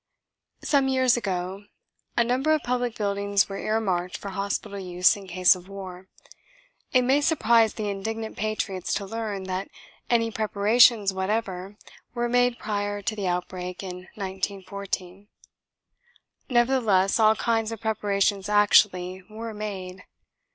Some years ago a number of public buildings were earmarked for hospital use in case of war. It may surprise the indignant patriots to learn that any preparations whatever were made prior to the outbreak in 1914. Nevertheless all kinds of preparations actually were made.